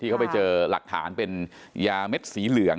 เขาไปเจอหลักฐานเป็นยาเม็ดสีเหลือง